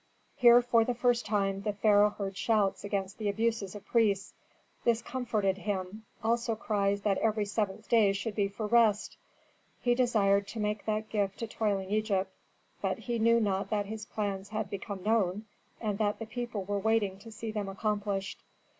Here for the first time the pharaoh heard shouts against the abuses of priests. This comforted him; also cries that every seventh day should be for rest. He desired to make that gift to toiling Egypt, but he knew not that his plans had become known, and that the people were waiting to see them accomplished.